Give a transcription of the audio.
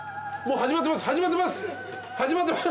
始まってますよ。